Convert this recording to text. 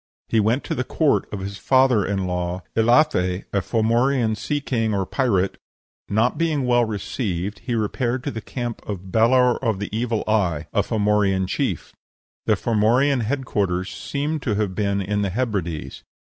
He went to the court of his father in law, Elathe, a Formorian sea king or pirate; not being well received, he repaired to the camp of Balor of the Evil Eye, a Formorian chief. The Formorian head quarters seem to have been in the Hebrides.